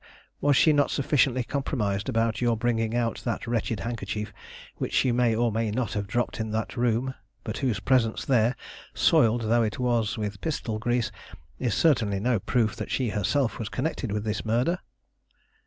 Was she not sufficiently compromised without your bringing out that wretched handkerchief, which she may or may not have dropped in that room, but whose presence there, soiled though it was with pistol grease, is certainly no proof that she herself was connected with this murder?"